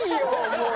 もう。